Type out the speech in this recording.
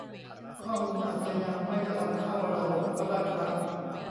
ข้อมูลอาจจะยังไม่ได้เอาเข้าระบบก็ได้ครับ